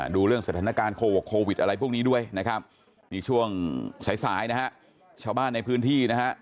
ดูเรื่องสถานการณ์โควิดอะไรพวกนี้ด้วยนะครับนี่ช่วงสายสายนะฮะชาวบ้านในพื้นที่นะฮะ